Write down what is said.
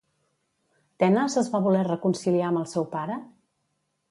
Tenes es va voler reconciliar amb el seu pare?